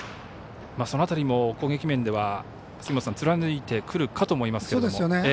その辺りも、攻撃面では杉本さん貫いてくるかとは思いますけど。